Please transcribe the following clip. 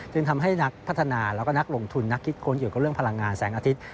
จึงทำให้นักพัฒนาแล้วก็นักลงทุนนักคิดค้นเกี่ยวกับเรื่องพลังงานแสงอาทิตย์